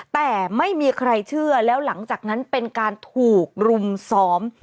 แต่ไม่มีใครเชื่อแล้วหลังจากนั้นเป็นการถูกรุมซ้อม